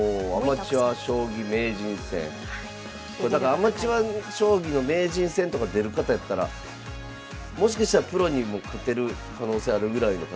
アマチュア将棋の名人戦とか出る方やったらもしかしたらプロにも勝てる可能性あるぐらいの方も。